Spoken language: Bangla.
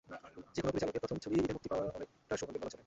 যেকোনো পরিচালকের প্রথম ছবি ঈদে মুক্তি পাওয়া অনেকটা সৌভাগ্যের বলা চলে।